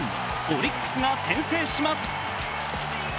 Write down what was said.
オリックスが先制します。